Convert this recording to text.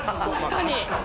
確かに。